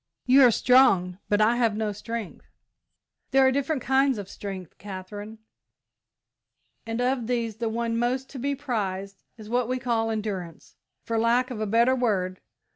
"You are strong, but I have no strength." "There are different kinds of strength, Katherine, and of these the one most to be prized is what we call endurance, for lack of a better word.